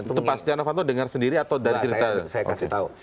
itu pak asyid janovanto dengar sendiri atau dari cerita